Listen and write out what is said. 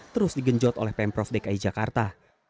terus digenjot oleh pemprov dki jakarta